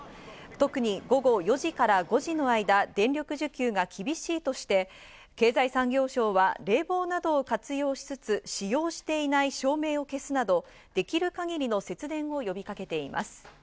特に午後４時から５時の間、電力需給が厳しいとして、経済産業省は冷房等を活用しつつ使用していない照明を消すなど、できる限りの節電を呼びかけています。